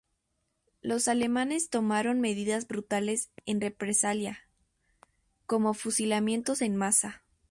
Los alemanes tomaron medidas brutales en represalia, como fusilamientos en masa.